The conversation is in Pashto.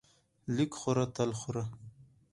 لږ خوره تل خوره.